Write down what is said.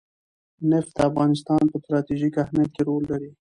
نفت د افغانستان په ستراتیژیک اهمیت کې رول لري.